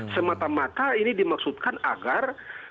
semata mata ini dimaksudkan agar